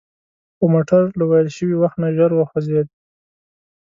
خو موټر له ویل شوي وخت نه ژر وخوځید.